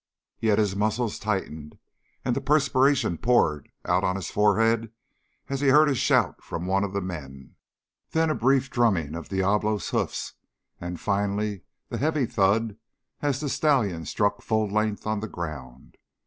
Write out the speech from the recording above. Yet his muscles tightened, and the perspiration poured out on his forehead as he heard a shout from one of the men, then a brief drumming of Diablo's hoofs, and finally the heavy thud as the stallion struck full length on the ground.